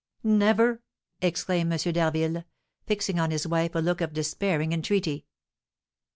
"Never?" exclaimed M. d'Harville, fixing on his wife a look of despairing entreaty.